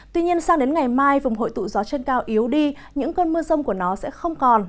tuy nhiên sang đến ngày mai vùng hội tụ gió trên cao yếu đi những cơn mưa rông của nó sẽ không còn